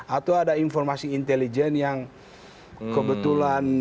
atau ada informasi intelijen yang kebetulan